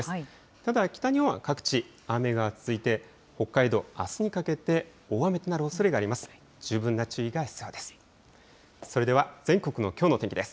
ただ北日本は各地、雨が続いて、北海道、あすにかけて大雨となるおそれがあります。